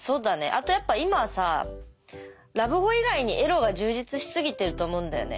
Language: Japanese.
あとやっぱ今はさラブホ以外にエロが充実しすぎてると思うんだよね。